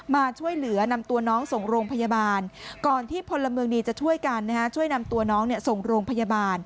มาช่วยเหลือนำตัวน้องส่งโรงพยาบาลก่อนที่พลเมืองดีจะช่วยกันนะครับ